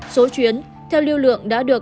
số chuyến theo lưu lượng đã được